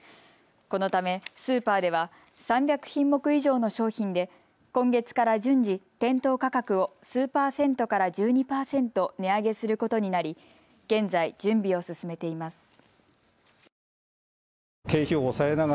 このためスーパーでは３００品目以上の商品で今月から順次、店頭価格を数％から１２％値上げすることになり現在、準備を進めています。